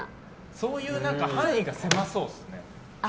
そういう範囲が狭そうですね。